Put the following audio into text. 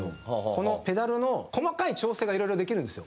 このペダルの細かい調整がいろいろできるんですよ